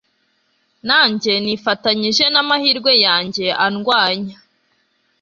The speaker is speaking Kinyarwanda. nanjye, nifatanije n'amahirwe yanjye arwanya